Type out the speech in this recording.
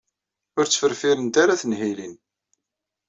Ur ttferfirent ara tenhilin.